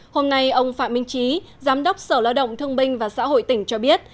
hôm nay ông phạm minh trí giám đốc sở lao động thương binh và xã hội tỉnh cho biết